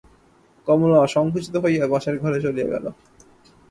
কমলা সংকুচিত হইয়া পাশের ঘরে চলিয়া গেল।